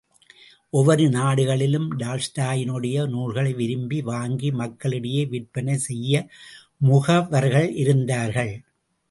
ஒவ்வொரு நாடுகளிலும் டால்ஸ்டாயினுடைய நூல்களை விரும்பி வாங்கி, மக்கள் இடையே விற்பனை செய்ய முகவர்கள் இருந்தார்கள்.